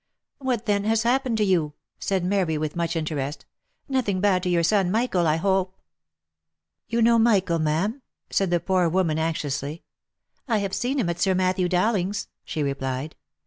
" What, then, has happened to you V said Mary, with much inte rest —" Nothing bad to your son Michael, I hope ?" 166 THE LIFE AND ADVENTURES "You know Michael, ma'am?" said the poor woman, anxiously. " I have seen him at Sir Matthew Dowlingfs," she replied.